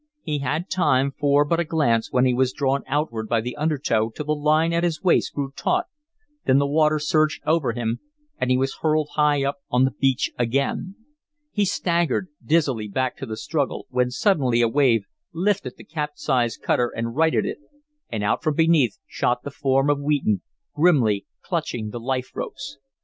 He had time for but a glance when he was drawn outward by the undertow till the line at his waist grew taut, then the water surged over him and he was hurled high up on the beach again. He staggered dizzily back to the struggle, when suddenly a wave lifted the capsized cutter and righted it, and out from beneath shot the form of Wheaton, grimly clutching the life ropes.